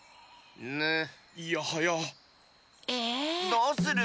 どうする？